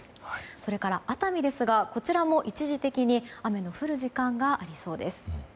それから熱海ですが一時的に雨の降る時間がありそうです。